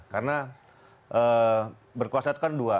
karena berkuasa itu kan dua